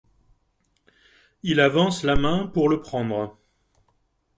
Il avance la main pour le prendre.